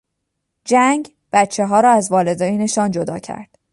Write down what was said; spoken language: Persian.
جنگ، بچهها را از والدینشان جدا کرد.